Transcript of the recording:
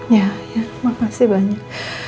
ya ya makasih banyak